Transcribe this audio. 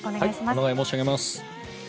お願い申し上げます。